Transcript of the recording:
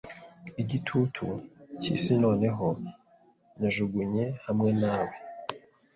yigitutu cyisinoneho najugunye hamwe na we